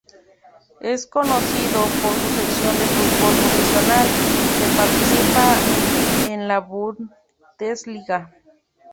Es conocido por su sección de fútbol profesional, que participa en la Bundesliga.